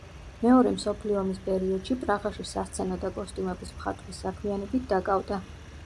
მეორე მსოფლიო ომის პერიოდში პრაღაში სასცენო და კოსტიუმების მხატვრის საქმიანობით დაკავდა.